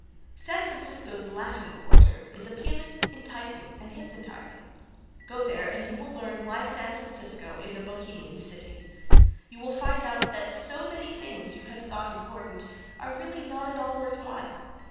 San Francisco's Latin quarter is appealing, enticing and hypnotizing. Go there and you will learn why San Francisco is a bohemian city. You will find out that so many things you have thought important are really not at all worth while.